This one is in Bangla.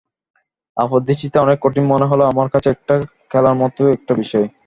আপাতদৃষ্টিতে অনেক কঠিন মনে হলেও আমার কাছে এটা খেলার মতোই একটি বিষয়।